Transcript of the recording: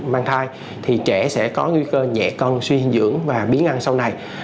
mang thai thì trẻ sẽ có nguy cơ nhẹ cân suy hình dưỡng và biến ngăn sau này